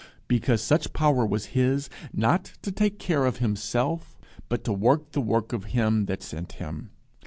Because such power was his, not to take care of himself, but to work the work of him that sent him.